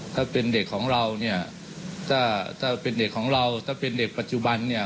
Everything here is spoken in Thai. ถ้าเป็นเด็กของเราเนี่ยเธอเป็นเด็กปัจจุบันนี่